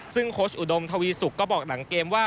ซึ่งโค้ชอุดมทวีสุกก็บอกหลังเกมว่า